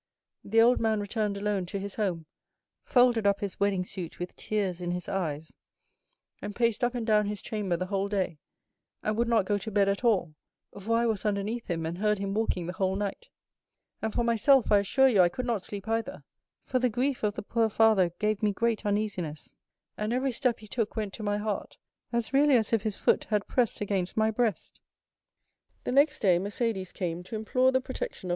The old man returned alone to his home, folded up his wedding suit with tears in his eyes, and paced up and down his chamber the whole day, and would not go to bed at all, for I was underneath him and heard him walking the whole night; and for myself, I assure you I could not sleep either, for the grief of the poor father gave me great uneasiness, and every step he took went to my heart as really as if his foot had pressed against my breast. "The next day Mercédès came to implore the protection of M.